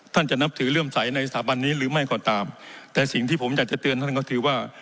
จะนับถือเรื่องใสในสถาบันนี้หรือไม่ก็ตามแต่สิ่งที่ผมอยากจะเตือนท่านก็คือว่า